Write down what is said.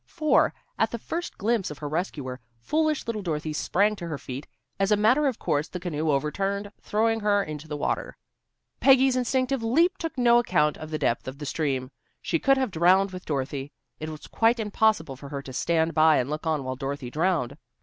For, at the first glimpse of her rescuer, foolish little Dorothy sprang to her feet. As a matter of course the canoe overturned, throwing her into the water. Peggy's instinctive leap took no account of the depth of the stream. She could have drowned with Dorothy. It was quite impossible for her to stand by and look on while Dorothy drowned.